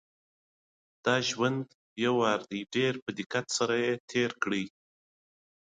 ځنې کرايي کسان په خواله رسينو کې د حکومت ناسمو کړنو ته پرتوګونه کوي.